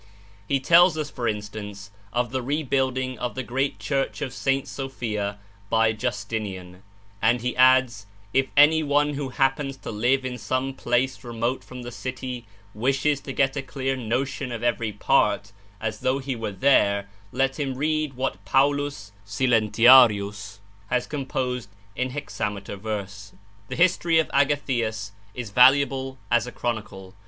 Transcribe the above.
He tells, for instance, of the rebuilding of the great Church of St. Sophia by Justinian, and he adds: "If any one who happens to live in some place remote from the city wishes to get a clear notion of every part, as though he were there, let him read what Paulus [Silentiarius] has composed in hexameter verse." The history of Agathias is valuable as a chronicle.